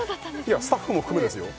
いやスタッフも含めですよ